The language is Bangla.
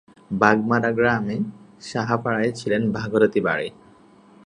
বাগমারা গ্রামের সাহাপাড়ায় ছিল ভাগীরথীর বাড়ি।